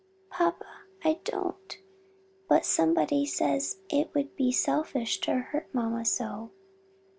"Papa, I don't; but somebody says it would be selfish to hurt mamma so."